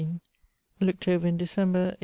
Looked over in December, 1846.